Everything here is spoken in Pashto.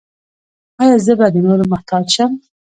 ایا زه به د نورو محتاج شم؟